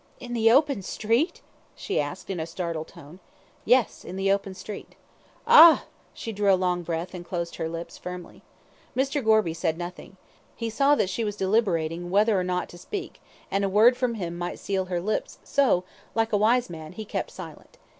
"In the open street?" she asked in a startled tone. "Yes, in the open street." "Ah!" she drew a long breath, and closed her lips, firmly. Mr. Gorby said nothing. He saw that she was deliberating whether or not to speak, and a word from him might seal her lips, so, like a wise man, he kept silent.